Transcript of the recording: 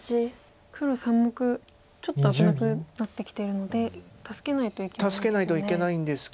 黒３目ちょっと危なくなってきてるので助けないといけないですよね。